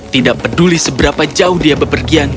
tidak peduli seberapa jauh dia bepergian